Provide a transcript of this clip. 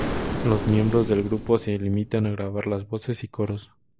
Los miembros del grupo se limitan a grabar las voces y coros.